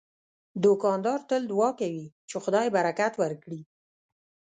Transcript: دوکاندار تل دعا کوي چې خدای برکت ورکړي.